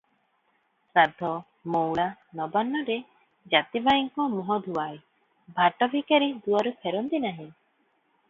ଶ୍ରାଦ୍ଧ, ମଉଳା, ନବାନ୍ନରେ ଜାତିଭାଇଙ୍କ ମୁହଁ ଧୁଆଏ, ଭାଟ ଭିକାରୀ ଦୁଆରୁ ଫେରନ୍ତି ନାହିଁ ।